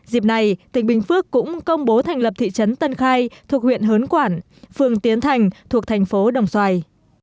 dịp này tỉnh bình phước cũng công bố thành lập thị trấn tân khai thuộc huyện hớn quản phường tiến thành thuộc thành phố đồng xoài